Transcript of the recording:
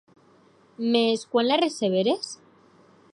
Mès quan la receberes?